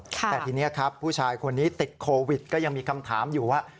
แต่ทีนี้ครับผู้ชายคนนี้ติดโควิดก็ยังมีคำถามอยู่ว่า